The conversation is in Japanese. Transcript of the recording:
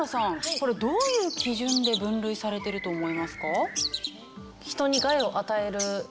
これどういう基準で分類されてると思いますか？